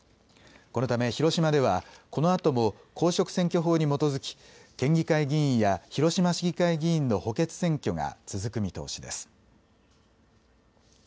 このため広島ではこのあとも公職選挙法に基づき県議会議員や広島市議会議員の補欠選挙が続く見通しです。